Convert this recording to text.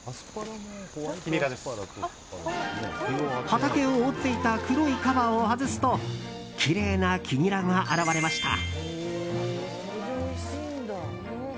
畑を覆っていた黒いカバーを外すときれいな黄ニラが現れました。